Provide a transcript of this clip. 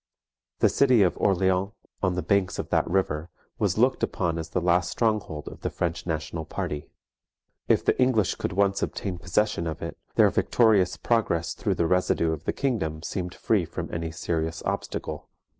The city of Orleans, on the banks of that river, was looked upon as the last stronghold of the French national party. If the English could once obtain possession of it, their victorious progress through the residue of the kingdom seemed free from any serious obstacle.